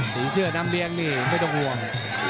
สีเสื้อน้ำเลี้ยงนี่ไม่ต้องห่วง